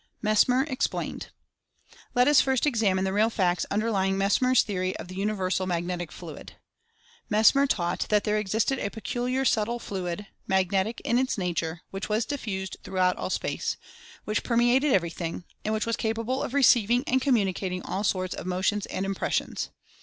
MESMER EXPLAINED. Let us first examine the real facts underlying Mes mer's theory of the Universal Magnetic Fluid. Mes mer taught that there existed a peculiar subtle fluid, "magnetic" in its nature, which was diffused through out all space ; which permeated everything, and which was capable of receiving and communicating all sorts of motions and impressions.